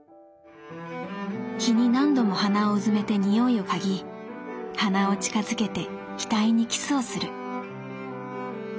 日に何度も鼻を埋めて匂いを嗅ぎ鼻を近づけて額にキスをする。